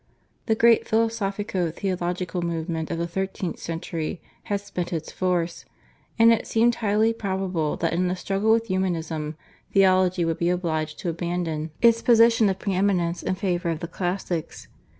The great philosophico theological movement of the thirteenth century had spent its force, and it seemed highly probable that in the struggle with Humanism theology would be obliged to abandon its position of pre eminence in favour of the classics.